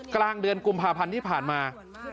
กลางเดือนกุมภาพันธ์ที่ผ่านมา